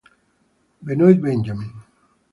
Benoit Benjamin